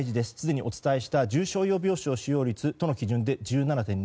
すでにお伝えした重症用病床使用率都の基準で１７．２％。